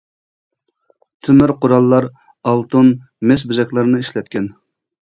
تۆمۈر قوراللار، ئالتۇن، مىس بېزەكلەرنى ئىشلەتكەن.